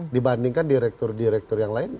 dibandingkan direktur direktur yang lainnya